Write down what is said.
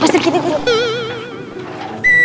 masa anak anak santri pesantren